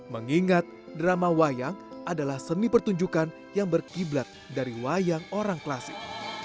mengingat drama wayang adalah seni pertunjukan yang berkiblat dari wayang orang klasik